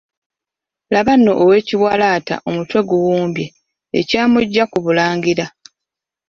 Laba nno ow'ekiwalaata omutwe guwumbye, Ekyamuggya ku Bulangira.